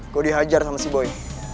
kok dihajar sama si boy